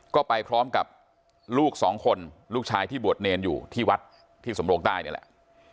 ก็ไปพร้อมกับลูกสองคนลูกชายที่บวชเนรอยู่ที่วัดที่สำโรงใต้นี่แหละ